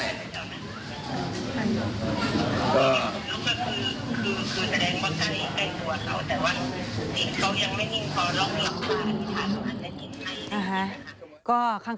คนลุกก็เห็นหรือเปล่า